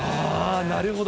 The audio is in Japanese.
なるほど。